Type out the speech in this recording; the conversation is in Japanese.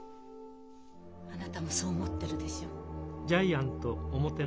あなたもそう思ってるでしょ？